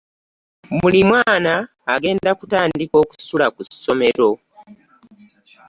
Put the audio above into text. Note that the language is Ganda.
Buli mwana agenda kutandika okusula ku ssomero.